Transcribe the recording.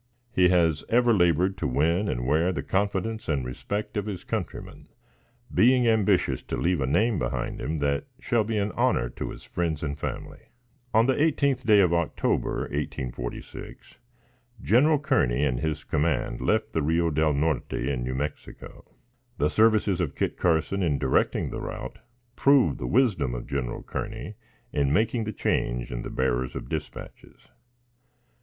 He has ever labored to win and wear the confidence and respect of his countrymen, being ambitious to leave a name behind him that shall be an honor to his friends and family. On the eighteenth day of October, 1846, General Kearney and his command left the Rio Del Norte, in New Mexico. The services of Kit Carson in directing the route, proved the wisdom of General Kearney in making the change in the bearers of dispatches.